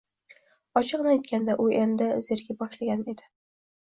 ochig'ini aytganda, u endi zerika boshlagan edi.